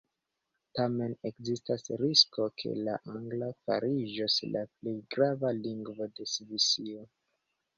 Tamen ekzistas risko, ke la angla fariĝos la plej grava lingvo de Svisio.